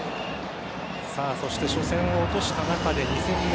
そして、初戦を落とした中で２戦目。